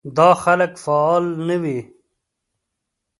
دا خلک فعال نه وي.